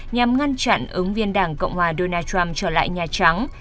nhằm ngăn chặn ứng viên đảng cộng hòa donald trump trở lại nhà trắng